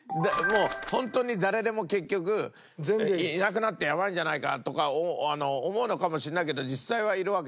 ホントに誰でも結局いなくなってやばいんじゃないかとか思うのかもしれないけど実際はいるわけで。